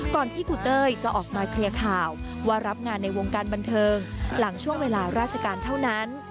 ที่ครูเต้ยจะออกมาเคลียร์ข่าวว่ารับงานในวงการบันเทิงหลังช่วงเวลาราชการเท่านั้น